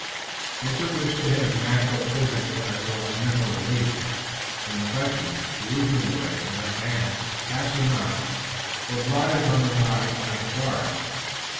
Hence it was to him an actual physical as well as mental relief, when the Frenchman, the Ojibway and their band, passing on, were blotted from his eyes by the forest.